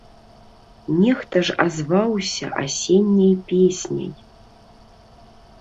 Нехта ж азваўся асенняй песняй.